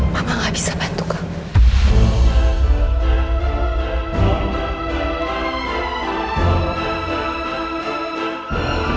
bapak gak bisa bantu kamu